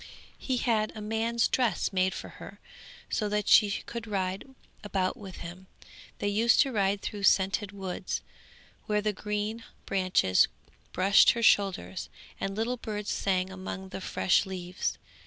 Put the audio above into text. He had a man's dress made for her, so that she could ride about with him. They used to ride through scented woods, where the green branches brushed her shoulders, and little birds sang among the fresh leaves.